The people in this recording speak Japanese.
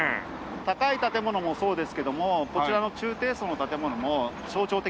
高い建物もそうですけどもこちらの中低層の建物も象徴的な。